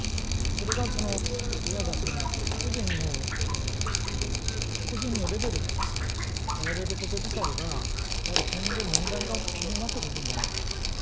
それがいわば個人のレベルでやられること自体がやはり今後、問題になってくるんじゃないかなと。